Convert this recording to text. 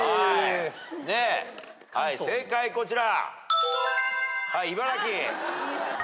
はい正解こちら。